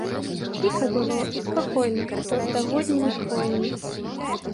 Ціха было і спакойна пад стагоднімі хвоямі.